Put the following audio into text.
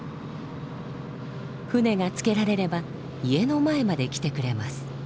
船が着けられれば家の前まで来てくれます。